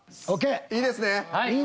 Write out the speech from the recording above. いいですね？